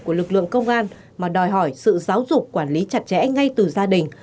của lực lượng công an mà đòi hỏi sự giáo dục quản lý chặt chẽ ngay từ gia đình